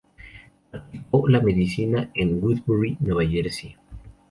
Practicó la medicina en Woodbury, Nueva Jersey.